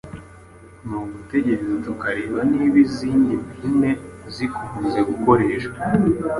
Ni ugutegereza tukareba niba izindi mpine zikunze gukoreshwa